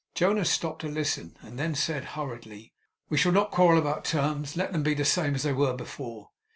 Jonas stopped to listen. Then said, hurriedly: 'We shall not quarrel about terms. Let them be the same as they were before.